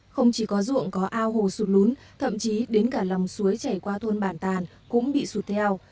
không chỉ có ruộng có ao hồ sụt lún thậm chí đến cả lòng suối chảy qua thôn bản tàn cũng bị sụt theo